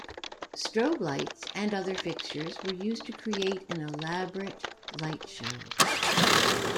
Strobe lights and other fixtures were used to create an elaborate light show.